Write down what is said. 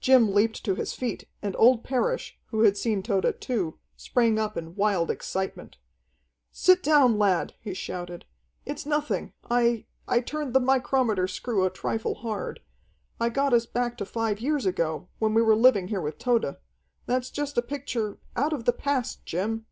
Jim leaped to his feet, and old Parrish, who had seen Tode too, sprang up in wild excitement. "Sit down, lad," he shouted. "It's nothing. I I turned the micrometer screw a trifle hard. I got us back to five years ago, when we were living here with Tode. That's just a picture out of the past, Jim!"